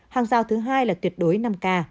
hàng giao thứ hai là tuyệt đối năm k